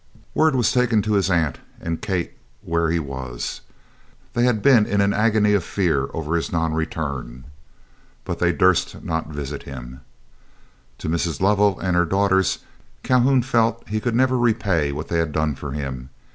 Word was taken to his aunt and Kate where he was. They had been in an agony of fear over his non return. But they durst not visit him. To Mrs. Lovell and her daughters Calhoun felt he could never repay what they had done for him.